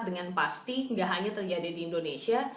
dengan pasti nggak hanya terjadi di indonesia